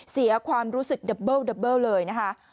เสียความรู้สึกดับเบิ้ลเลยนะคะ